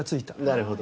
なるほど。